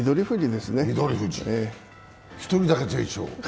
１人だけ全勝。